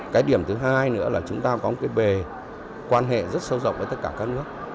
cái điểm thứ hai nữa là chúng ta có một cái bề quan hệ rất sâu rộng với tất cả các nước